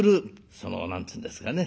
その何て言うんですかね